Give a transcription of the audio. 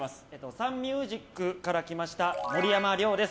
サンミュージックから来ました森山諒です。